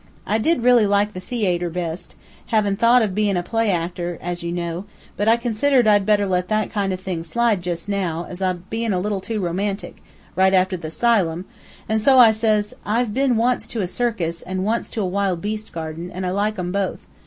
I did really like the the ay ter best, havin' thought of bein' a play actor, as you know, but I considered I'd better let that kind o' thing slide jus' now, as bein' a little too romantic, right after the 'sylum, an' so I says, 'I've been once to a circus, an' once to a wild beast garden, an' I like 'em both.